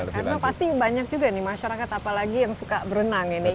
karena pasti banyak juga nih masyarakat apalagi yang suka berenang ini